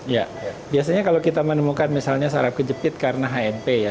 ya biasanya kalau kita menemukan misalnya sarap kejepit karena hnp ya